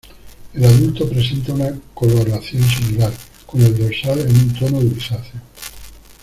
El adulto presenta una coloración similar, con el dorsal en un tono grisáceo.